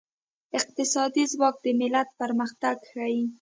اقتصادي ځواک د ملت پرمختګ ښيي.